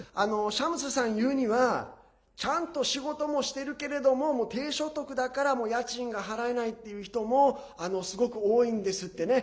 シャムスさんが言うにはちゃんと仕事もしてるけれども低所得だから家賃が払えないっていう人もすごく多いんですってね。